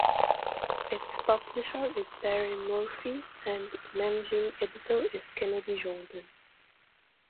Its publisher is Darren Murphy and managing editor is Kennedy Gordon.